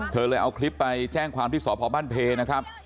เธอเลยเอาคลิปไปแจ้งความที่สพบ้านเพนะครับ